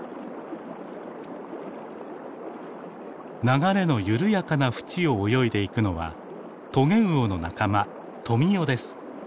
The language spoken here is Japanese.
流れの緩やかなふちを泳いでいくのはトゲウオの仲間トミヨです。